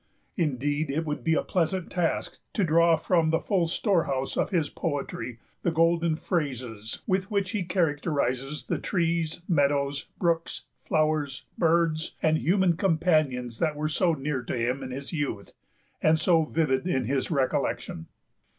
Indeed, it would be a pleasant task to draw from the full storehouse of his poetry the golden phrases with which he characterizes the trees, meadows, brooks, flowers, birds, and human companions that were so near to him in his youth and so vivid in his recollection.